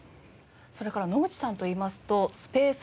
それから野口さんといいますとスペースシャトル